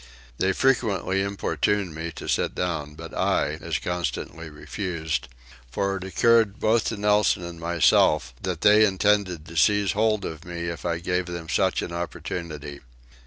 They frequently importuned me to sit down but I as constantly refused: for it occurred both to Nelson and myself that the intended to seize hold of me if I gave them such an opportunity.